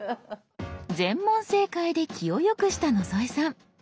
全問正解で気をよくした野添さん。